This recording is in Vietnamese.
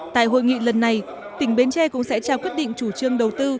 tại hội nghị lần này tỉnh bến tre cũng sẽ trao quyết định chủ trương đầu tư